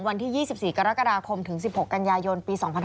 วันที่๒๔กรกฎาคมถึง๑๖กรยาย่น